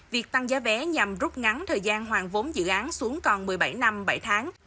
việc tăng giá vé nhằm rút ngắn thời gian hoàn vốn dự án xuống còn một mươi bảy năm bảy tháng